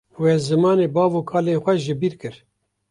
We zimanê bav û kalên xwe jibîr kir